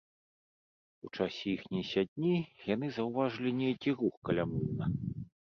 У часе іхняй сядні яны заўважылі нейкі рух каля млына.